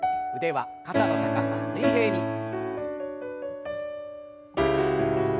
腕は肩の高さ水平に。